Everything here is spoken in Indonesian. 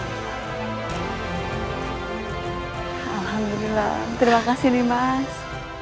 alhamdulillah terima kasih nimas